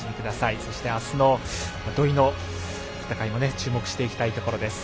そして、あすの土居の戦いも注目していきたいところです。